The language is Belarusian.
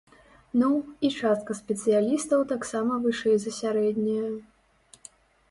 Ну, і частка спецыялістаў таксама вышэй за сярэдняе.